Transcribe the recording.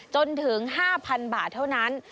จนถึง๕๐๐๐บาทเท่านั้น